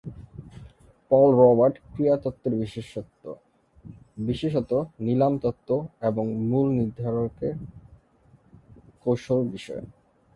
পল Robert ক্রীড়া তত্ত্বের বিশেষজ্ঞ, বিশেষত নিলাম তত্ত্ব এবং মূল্য নির্ধারণের কৌশল বিষয়ে।